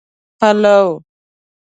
پلو